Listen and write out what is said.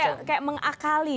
ini kayak mengakali